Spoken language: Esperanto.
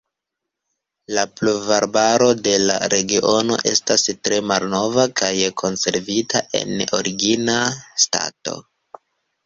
La pluvarbaro de la regiono estas tre malnova kaj konservita en origina stato.